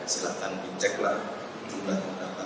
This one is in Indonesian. silahkan diceklah jumlah data